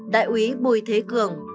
đại ủy bùi thế cường